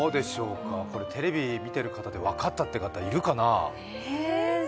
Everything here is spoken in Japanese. これ、テレビを見ている方で分かったという方、いるかな。